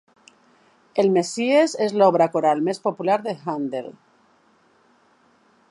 El Messies és l'obra coral més popular de Handel